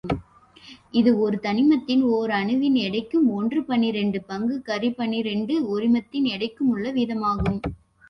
இது ஒரு தனிமத்தின் ஒர் அணுவின் எடைக்கும் ஒன்று பனிரண்டு பங்கு கரி பனிரண்டு ஒரிமத்தின் எடைக்குமுள்ள வீதமாகும்.